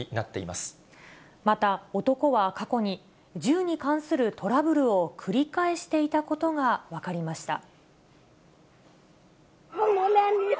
また、男は過去に、銃に関するトラブルを繰り返していたことが分かりました。